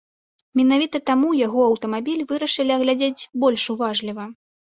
Менавіта таму яго аўтамабіль вырашылі агледзець больш уважліва.